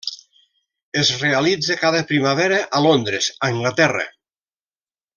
Es realitza cada primavera a Londres, Anglaterra.